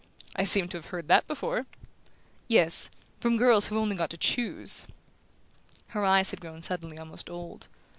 "I seem to have heard that before!" "Yes; from girls who've only got to choose!" Her eyes had grown suddenly almost old.